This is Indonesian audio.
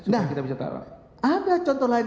nah ada contoh lain